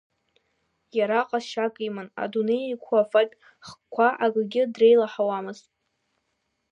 Иара ҟазшьак иман, адунеи иқәу афатә хкқәа акагьы дреилаҳауамызт.